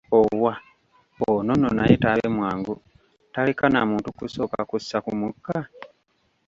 Owa ono nno naye taabe mwangu, taleka na muntu kusooka kussa ku mukka!